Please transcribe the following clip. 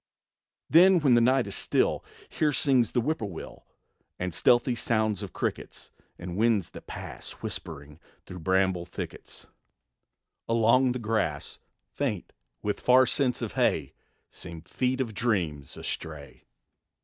Then when the night is still Here sings the whippoorwill; And stealthy sounds of crickets, And winds that pass, Whispering, through bramble thickets Along the grass, Faint with far scents of hay, Seem feet of dreams astray.